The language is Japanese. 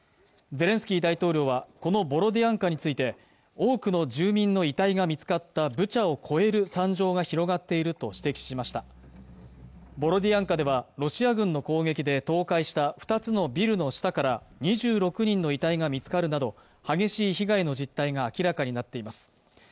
ゼレンスキー大統領はこのボロディアンカについて多くの住民の遺体が見つかったブチャを超える惨状が広がっていると指摘しましたボロディアンカではロシア軍の攻撃で倒壊した２つのビルの下から２６人の遺体が見つかるなど激しい被害の実態が明らかになっています